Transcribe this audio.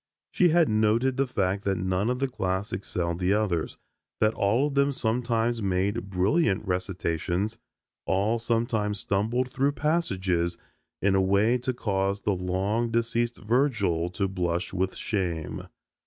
She had noted the fact that none of the class excelled the others, that all of them sometimes made brilliant recitations, all sometimes stumbled through passages in a way to cause the long deceased Virgil to blush with shame.